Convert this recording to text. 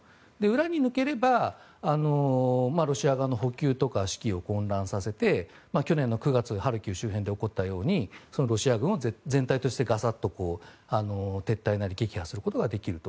裏に抜ければロシア側の補給とか指揮を混乱させて去年９月ハルキウ周辺で起こったようにロシア軍を全体としてガサッと撤退なり撃破することができると。